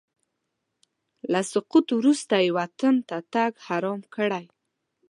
له سقوط وروسته یې وطن ته تګ حرام کړی.